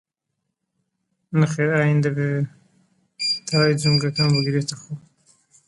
وڵات و ئایین دەبێت لێک جودابێت